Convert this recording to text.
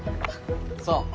そう。